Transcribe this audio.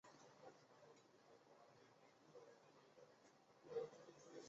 与其相反的是多语主义。